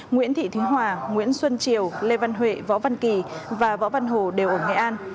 nguyễn thị thúy hòa nguyễn xuân triều lê văn huệ võ văn kỳ và võ văn hồ đều ở nghệ an